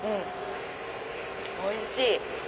おいしい！